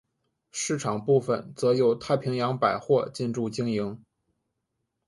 商场部份则由太平洋百货进驻经营。